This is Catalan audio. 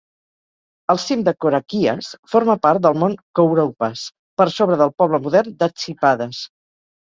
El cim de Korakias forma part del mont Kouroupas, per sobre del poble modern d'Atsipades.